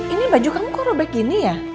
ini baju kamu kok robek gini ya